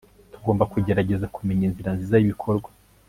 tugomba kugerageza kumenya inzira nziza y'ibikorwa